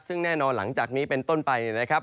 ซึ่งแน่นอนหลังจากนี้เป็นต้นไปนะครับ